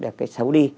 để phát triển